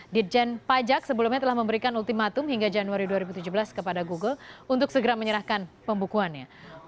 ditjen pajak sebelumnya telah memberikan ultimatum hingga januari dua ribu tujuh belas kepada google untuk segera menyerahkan pembukuannya